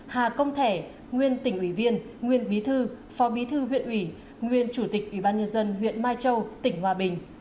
hà công thẻ nguyên tỉnh ủy viên nguyên bí thư phó bí thư huyện ủy nguyên chủ tịch ủy ban nhân dân huyện mai châu tỉnh hòa bình